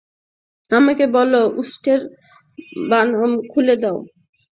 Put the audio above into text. আমাকে বলল, উষ্ট্রের বাঁধন খুলে দাও।